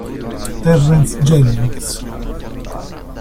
Terrence Jennings